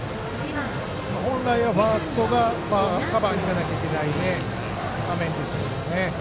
本来はファーストがカバーに出ないといけない場面でしたけどね。